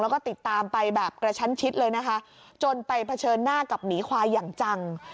แล้วก็ติดตามไปแบบกระชั้นชิดเลยนะคะจนไปเผชิญหน้ากับหมีควายอย่างจัง